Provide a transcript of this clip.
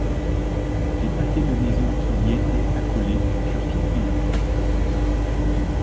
Les pâtés de maisons qui y étaient accolés furent supprimés.